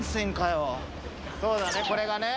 そうだねこれがね。